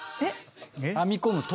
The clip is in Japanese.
編み込む籐。